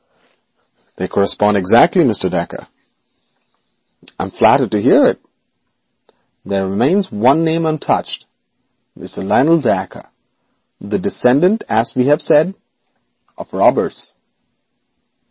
'They correspond exactly, Mr. Dacre.' 'I am flattered to hear it. There remains one name untouched, Mr Lionel Dacre, the descendant, as I have said, of robbers.'